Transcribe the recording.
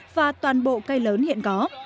và toàn bộ cây lớn hiện có